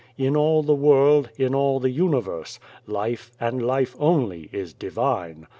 In all the world, all the universe, life, and life only, is divine.